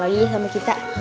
bakal dibagi sama kita